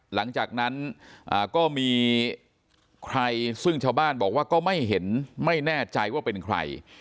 หลังจากนั้นก็มีใครซึ่งชาวบ้านบอกว่าก็ไม่เห็นไม่แน่ใจว่าเป็นใคร